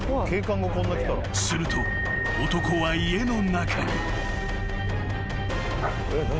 ［すると男は家の中に］